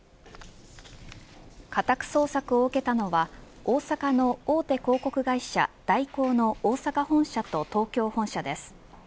家宅捜索を受けたのは大阪の大手広告会社大広の大阪本社と東京本社です。